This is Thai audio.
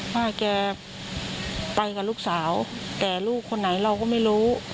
ป้าแกไปกับลูกสาวแต่ลูกคนไหนเราก็ไม่รู้